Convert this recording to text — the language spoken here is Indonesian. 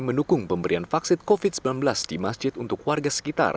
mendukung pemberian vaksin covid sembilan belas di masjid untuk warga sekitar